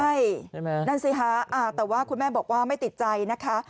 ใช่นั่นสิคะแต่ว่าคุณแม่บอกว่าไม่ติดใจนะคะ